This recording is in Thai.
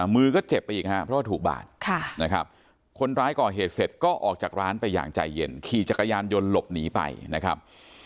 มือก็เจ็บไปอีกครับเพราะว่าถูกบาดนะครับคนร้ายก่อเหตุเสร็จก็ออกจากร้านไปอย่างใจเย็นขี่จักรยานยนต์หลบหนีไปนะครับ